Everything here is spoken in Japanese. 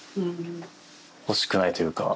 欲しくないというか。